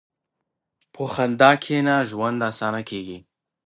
په خندا کښېنه، ژوند اسانه کېږي.